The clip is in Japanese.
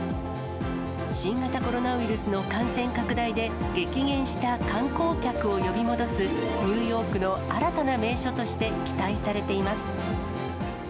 新型コロナウイルスの感染拡大で激減した観光客を呼び戻す、ニューヨークの新たな名所として期待されています。